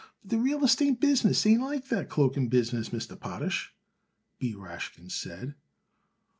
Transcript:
"But the real estate business ain't like the cloak business, Mr. Potash," B. Rashkin said.